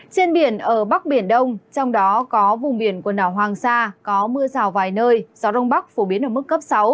trên biển ở bắc biển đông trong đó có vùng biển quần đảo hoàng sa có mưa rào vài nơi gió đông bắc phổ biến ở mức cấp sáu